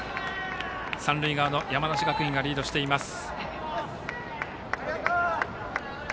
三塁側の山梨学院がリードしています。